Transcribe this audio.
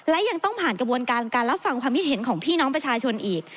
และยังต้องผ่านกระบวนการการรับฟังความคิดเห็นของพี่น้องประชาชนอีก